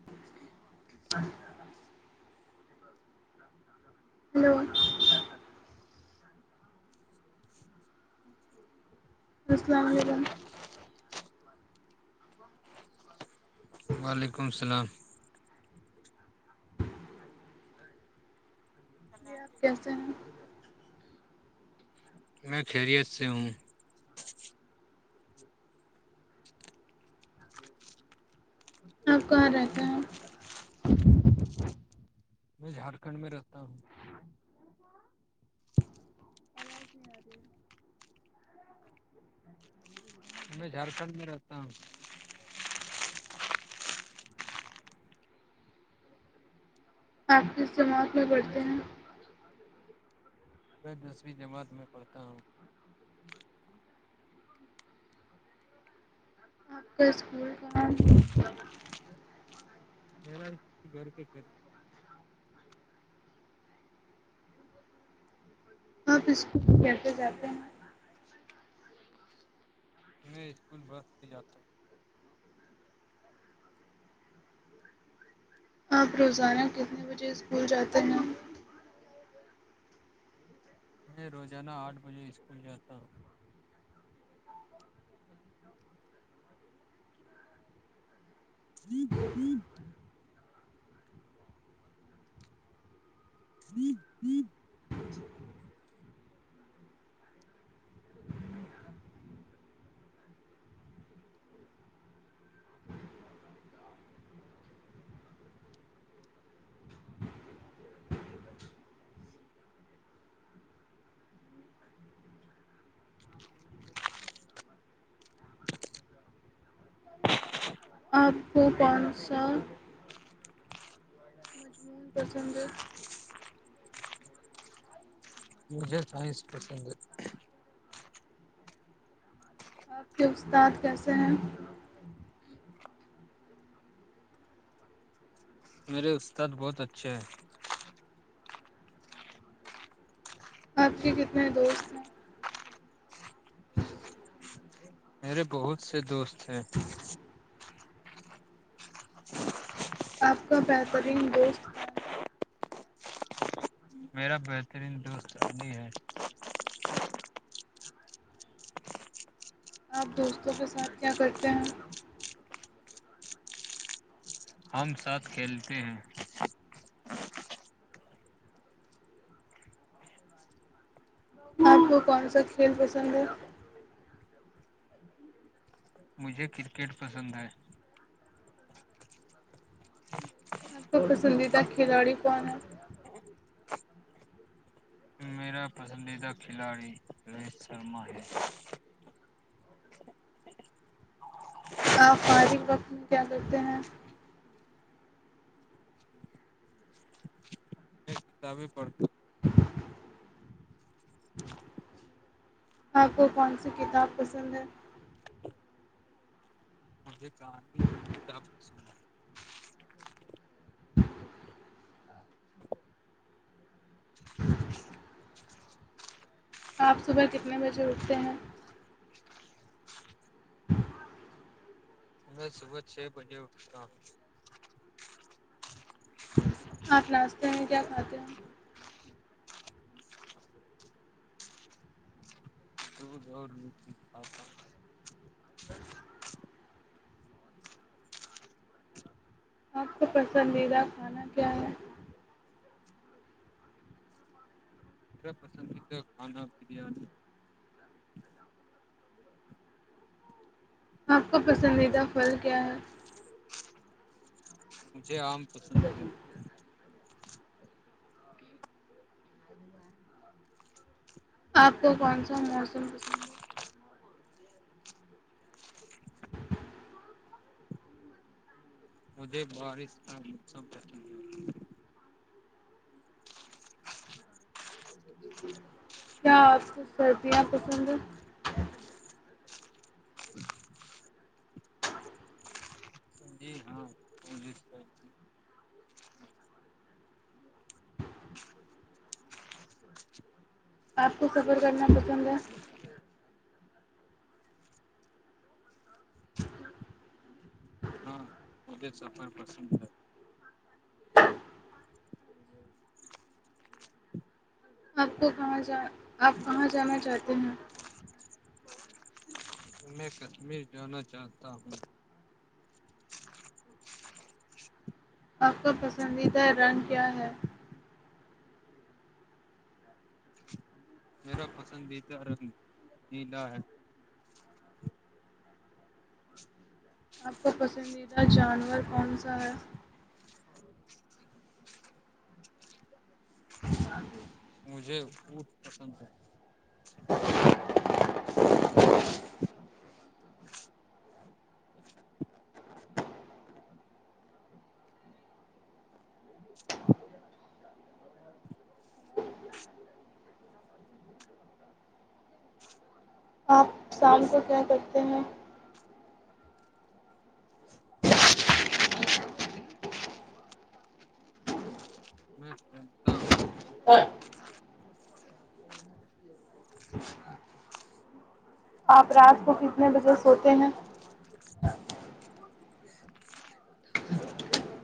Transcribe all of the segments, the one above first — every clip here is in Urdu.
[unintelligible] ہلو [unintelligible] السلام علیکم وعلیکم السلام ج آپ کیسے ہیں میں خیریت سے ہوں آپ کہاں رہتا ہے میں جھارکھنڈ میں رہتا ہوں آواز نہیں آ رہی ہے میں جھارکھنڈ میں رہتا ہوں آپ کے اس سے موت میں بڑھتے ہیں میں دسویں جماعت میں پڑھتا ہوں آپ کے اسکول کا ما گھر کے کری بہت استے جاتے ہیں میں اسکول بس سے جاتا ہوں آپ روزانہ کتنے بجے اسکول جاتے ہیں میں روزانہ آٹھ بجے اسکول جاتا ہوں [unintelligible] [unintelligible] [unintelligible] آپ کو کون سا ٹھیکے مجھے سائنس پسند ہے آپ کے استاد کیسے ہیں میرے استاد بہت اچھے ہیں آپ کے کتنے دوست ہیں میرے بہت سے دوست ہیں آپ کا بہترین دوست کون ہے میرا بہترین دوست شی ہے آپ دوستوں کے ساتھ کیا کرتے ہیں ہم ساتھ کھیلتے ہیں آپ کو کون سا کھیل پسند ہے مجھے کرکٹ پسند ہے پسندیدہ کھلاڑی کون ہے ہے میرا پسندیدہ کھلاڑی روہت شرما ہے آپ فارغ وقت میں کیا کرتے ہیں میں کتابیں پڑھتے آپ کو کون سی کتاب پسند ہے مجھے کہان کی کتاب پسند آئی آپ صبح کتنے بجے اٹھتے ہیں میں صبح چھ بجے اٹھتا ہ آپ ناشتے میں کیا کھاتے ہو تو آپ کا پسندیدہ کھانا کیا ہے میرا پسندیدہ کھانا بریانی آپ کا پسندیدہ پھل کیا ہے مجھے آم پسند ہے آپ کو کون سا موسم پسند ہے مجھے بارش کا موسم پسند نہیں کیا آپ کو سردیاں پسند جی ہاں پس آپ کو سفر کرنا پسند ہے ہاں مجھے سفر پسند ہے آپ کو کہاں جا آپ کہاں جانا چاہتے ہیں میں کشمیر جانا چاہتا ہوں آپ کا پسندیدہ رنگ کیا ہے میرا پسندیدہ رنگ نیلا ہے آپ کا پسندیدہ جانور کون سا ہے مجھے فوٹ پسند ہے آپ شام کو کیا کرتے ہیں میں پتا ہوں اور آپ رات کو کتنے بجے سوتے ہیں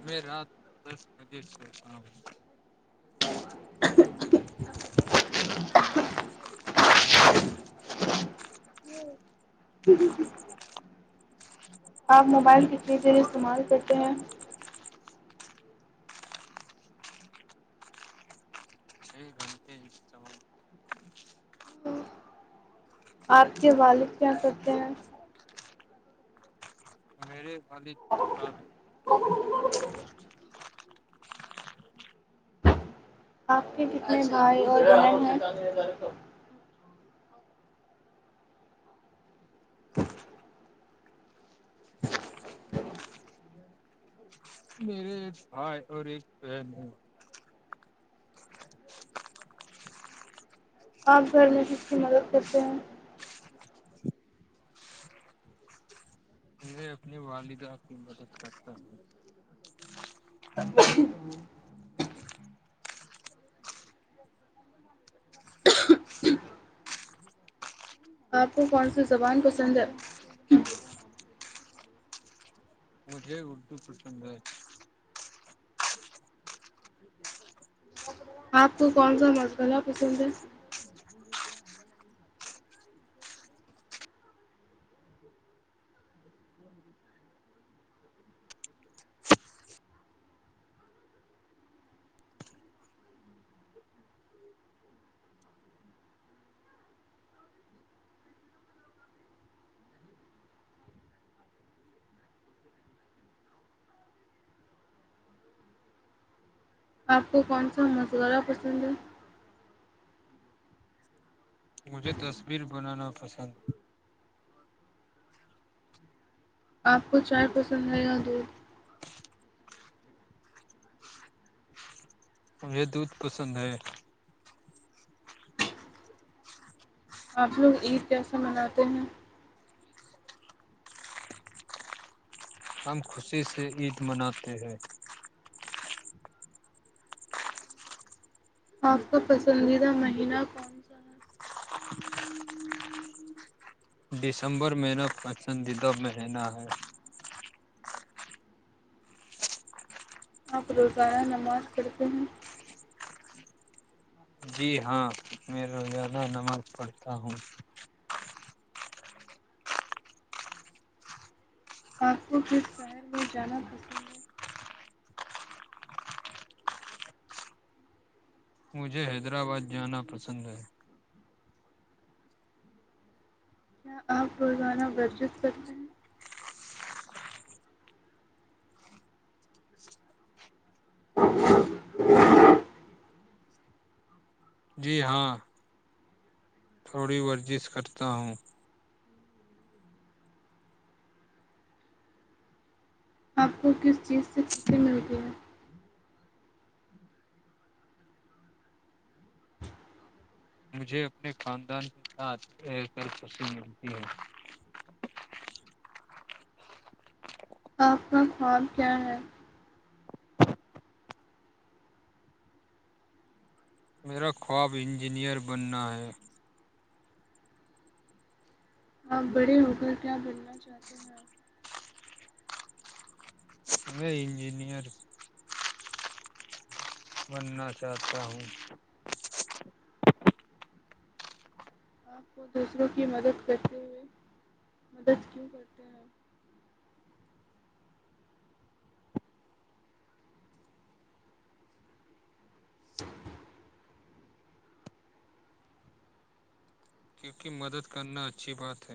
میں رات دس بجے سے ش ہوں ہ جی جی جی آپ موبائل کتنی دیر استعمال کرتے ہیں ٹ ہے ی چ ہ آپ کے والد کیا کرتے ہیں میرے والد صحب ہیں ا آپ کے کتنے بھائی اور بہن ہیں میرے بھائی اور ایک بہن ہے آپ گھر میں کس کی مدد کرتے ہیں میں اپنی والدہ کی مدد کرتا ہوں ا آپ کو کون سی زبان پسندھ ہے مجھے اردو پرسنند ہے آپ کو کون سا مسغ پسند ہے آپ کو کون سا مشغورہ پسند ہے مجھے تصویر بنانا پسند ج آپ کو چائے پسند آئے گا دودھ مجھے دودھ پسند ہے آپ لوگ عید کیسے مناتے ہیں ہم خوشی سے عید مناتے ہیں آپ کا پسندیدہ مہینہ کون سا ہے دسمبر میںینا پسندیدہ مہینہ ہے آپ روزانہ نماز پڑھتے ہیں جی ہاں میں روزانہ نماز پڑھتا ہوں آپ کو کھر شہر میں جانا پسند ہے مجھے حیدرآباد جانا پسند ہے کیا آپ روزانہ ورزش کرتے ہیں [inaudible] جی ہاں تھوڑی ورزش کرتا ہوں آپ کو کس چیز سے خوشی ملتی ہے مجھے اپنے خاندان کے ساتھ رہ کر خوشی ملتی ہے آپ کا خواب کیا ہے میرا خواب انجینئر بننا ہے آاں بڑے ہو کر کیا بننا چاہتے ہیںپ ا انجینئر بننا چاہتا ہوں آپ کو دوسروں کی مدد کرتے ہوئے مدد کیوں کرتے ہیں [inaudible] کیونکہ مدد کرنا اچھی بات ہے